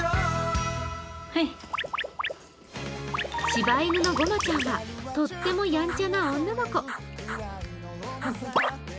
しば犬のごまちゃんはとってもやんちゃな女の子。